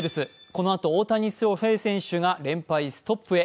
このあと大谷翔平選手が連敗ストップへ。